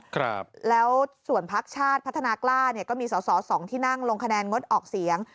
ครับแล้วส่วนพักชาติพัฒนากล้าเนี่ยก็มีสอสอสองที่นั่งลงคะแนนงดออกเสียง